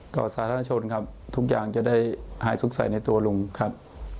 สาธารณชนครับทุกอย่างจะได้หายสุขใส่ในตัวลุงครับ